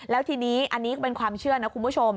แล้วทีนี้อันนี้ก็เป็นความเชื่อนะคุณผู้ชม